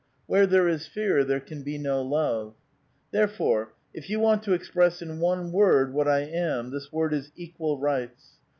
Where there is fear there can be no love. " Therefore, if you want to express in one word what I ^\ am, this word is "Equal Rights."